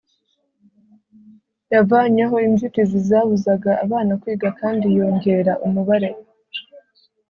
Yavanyeho inzitizi zabuzaga abana kwiga kandi yongera umubare